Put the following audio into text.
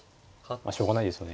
しょうがないですよね。